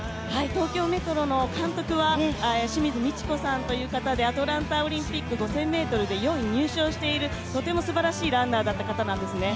東京メトロの監督は、志水見千子さんという方でアトランタオリンピック５０００ｍで４位入賞しているとてもすばらしいランナーだった方なんですね。